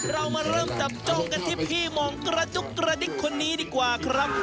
เรามาเริ่มจับจ้องกันที่พี่มองกระจุกกระดิกคนนี้ดีกว่าครับ